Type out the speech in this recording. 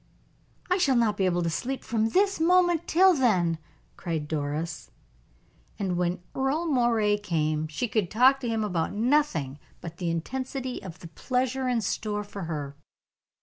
"I shall not be able to sleep from this moment till then," cried Doris. And when Earle Moray came she could talk to him about nothing but the intensity of the pleasure in store for her.